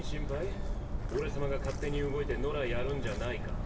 俺様が勝手に動いて野良やるんじゃないか。